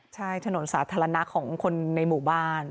ใช่ถนนสาธารณะของคนในหมู่บ้าน